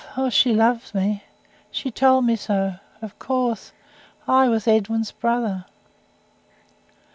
"Love! Oh, she loved me. She told me so. Of course! I was Edwin's brother."